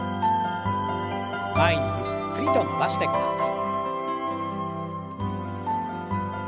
前にゆっくりと伸ばしてください。